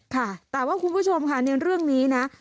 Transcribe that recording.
ค่ะแต่ว่าคุณผู้ชมค่ะในเรื่องนี้นะ